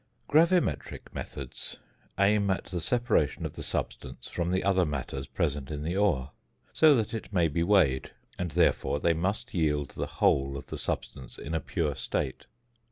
~Gravimetric Methods~ aim at the separation of the substance from the other matters present in the ore, so that it may be weighed; and, therefore, they must yield the whole of the substance in a pure state.